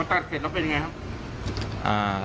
ตัดเขตแล้วเป็นอย่างไรครับ